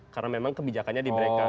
karena memang kebijakannya di mereka